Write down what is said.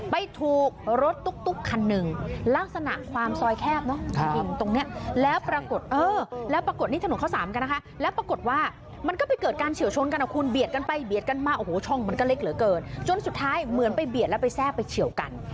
ไปถูกรถตุ๊กคันหนึ่งลักษณะความซอยแคบเนอะจริงตรงเนี้ยแล้วปรากฏเออแล้วปรากฏนี่ถนนข้าวสารกันนะคะแล้วปรากฏว่ามันก็ไปเกิดการเฉียวชนกันนะคุณเบียดกันไปเบียดกันมาโอ้โหช่องมันก็เล็กเหลือเกินจนสุดท้ายเหมือนไปเบียดแล้วไปแทรกไปเฉียวกัน